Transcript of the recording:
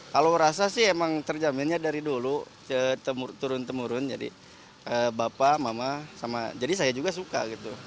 kalau rasa sih emang terjaminnya dari dulu turun temurun jadi bapak mama sama jadi saya juga suka gitu